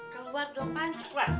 keluar dong pan